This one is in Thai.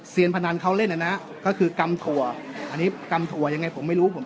พนันเขาเล่นนะฮะก็คือกำถั่วอันนี้กำถั่วยังไงผมไม่รู้ผม